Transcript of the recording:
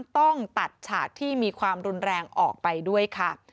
ต้องตัดฉากที่มีความรุนแรงออกไปด้วยค่ะ